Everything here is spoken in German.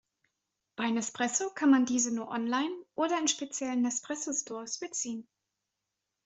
Bei Nespresso kann man diese nur online oder in speziellen Nespresso Stores beziehen.